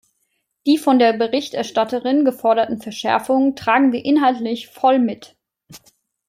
Die von der Berichterstatterin geforderten Verschärfungen tragen wir inhaltlich voll mit.